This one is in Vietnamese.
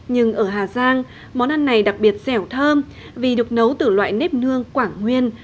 nhưng ở hà giang món ăn này đặc biệt dẻo thơm vì được nấu từ loại nếp nương quảng nguyên